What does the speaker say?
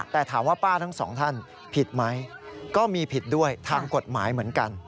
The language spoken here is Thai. แต่ถามว่าป้าทั้งสองท่านผิดไหมก็มีผิดด้วยทางกฎหมายเหมือนกัน